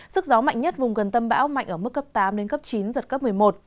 sức gió mạnh nhất vùng gần tâm bão mạnh ở mức cấp tám chín giật cấp một mươi một